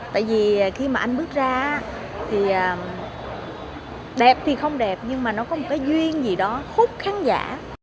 tại vì khi mà anh bước ra thì đẹp thì không đẹp nhưng mà nó có một cái duyên gì đó hút khán giả